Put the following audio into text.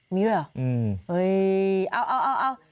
มีด้วยหรอเออ